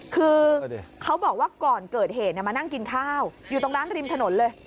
คือเขาบอกว่าก่อนเกิดเหตุมานั่งกินข้าวอยู่ตรงร้านริมถนนเลย